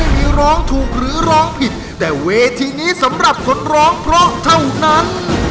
พี่ร้องผิดแต่วีทินี้สำหรับคนร้องเพราะเท่านั้น